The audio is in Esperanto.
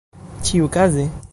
ĉiukaze